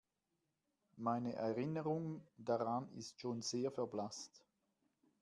Meine Erinnerung daran ist schon sehr verblasst.